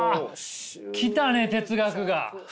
来たね哲学が！